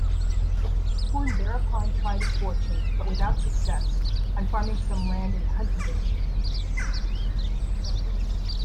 Horne thereupon tried his fortune, but without success, on farming some land in Huntingdonshire.